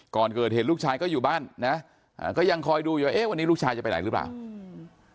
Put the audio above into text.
ก่อนเกิดเหตุลูกชายก็อยู่บ้านนะอ่าก็ยังคอยดูอยู่เอ๊ะวันนี้ลูกชายจะไปไหนหรือเปล่าอืม